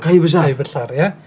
kayu besar ya